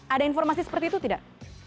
ada informasi seperti itu tidak